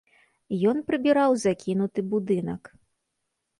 Ён прыбіраў закінуты будынак.